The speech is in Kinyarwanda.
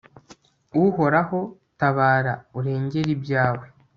uhoraho, tabara; urengere ibyawe